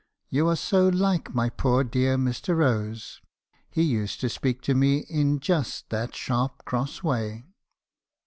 "' You are so like my poor dear Mr. Rose. He used to speak to me just in that sharp, cross way.